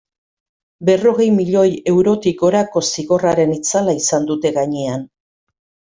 Berrogei milioi eurotik gorako zigorraren itzala izan dute gainean.